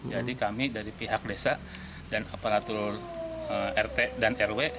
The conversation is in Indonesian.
jadi kami dari pihak desa dan aparatur rt dan rw